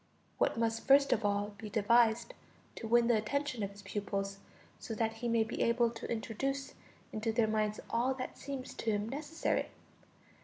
What must first of all be devised, to win the attention of his pupils, so that he may be able to introduce into their minds all that seems to him necessary?